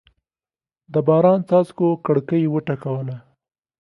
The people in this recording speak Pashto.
د باران څاڅکو کړکۍ وټکوله.